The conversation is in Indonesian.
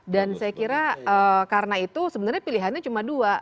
dan saya kira karena itu sebenarnya pilihannya cuma dua